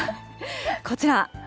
こちら。